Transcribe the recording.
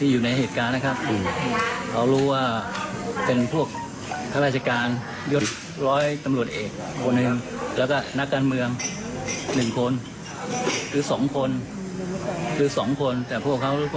มาไม่มีใครไปสำรวจไม่มีใครไปดูแลเลย